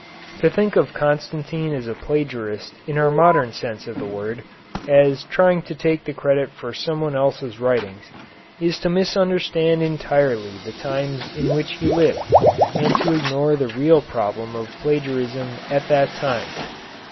To think of Constantine as a plagiarist in our modern sense of the word, as trying to take the credit for someone else's writings, is to misunderstand entirely the times in which he lived, and to ignore the real problem of plagiarism at that time.